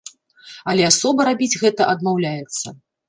Але асоба рабіць гэта адмаўляецца.